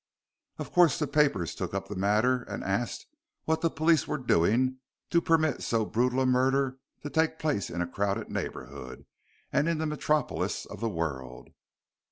Of course the papers took up the matter and asked what the police were doing to permit so brutal a murder to take place in a crowded neighborhood and in the metropolis of the world.